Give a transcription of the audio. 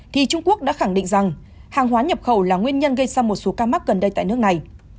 thì trung quốc đã khẳng định rằng hàng hóa nhập khẩu là nguyên nhân gây ra một số ca mắc gần đây tại nước này